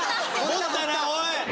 盛ったなおい！